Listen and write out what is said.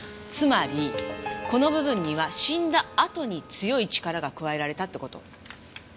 つまりこの部分には死んだあとに強い力が加えられたって事。